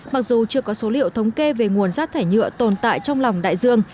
mặc dù chưa có số liệu thống kê về nguồn rác thải nhựa tồn tại trong lòng đại dương